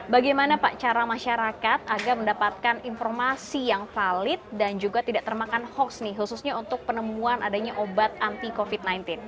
bagaimana pak cara masyarakat agar mendapatkan informasi yang valid dan juga tidak termakan hoax nih khususnya untuk penemuan adanya obat anti covid sembilan belas